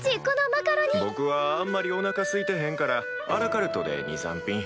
ぼくはあんまりおなかすいてへんからアラカルトで２３品。